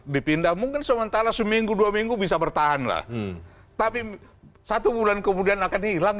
dipindah mungkin sementara seminggu dua minggu bisa bertahanlah tapi satu bulan kemudian akan hilang